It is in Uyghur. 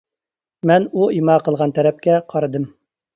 مەن ئۇ ئىما قىلغان تەرەپكە قارىدىم.